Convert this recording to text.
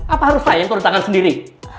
apa harus sayang kalau di tangan sendiri